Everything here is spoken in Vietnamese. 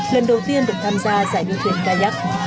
lần đầu tiên được tham gia giải đấu thiền ca nhắc